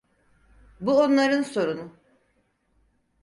Bu onların sorunu.